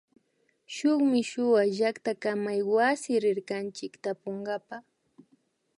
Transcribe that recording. Shuk mishuwa llaktakamaywasi rirkanchik tapunkapa